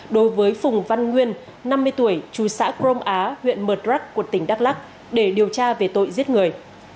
đối với phùng văn nguyên năm mươi tuổi chùi xã crom á huyện mật rắc của tỉnh đắk lắc để điều tra về tội giết người